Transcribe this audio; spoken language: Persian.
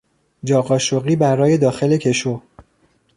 جا قاشقی برای داخل کشو